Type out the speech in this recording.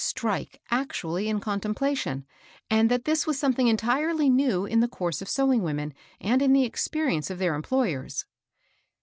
strike *' actually in contemplation, and that this was something entirely new in the course of sew ing women and in the experience of their employ ers.